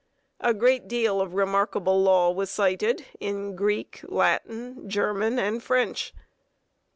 A great deal of remarkable law was cited in Greek, Latin, German, and French.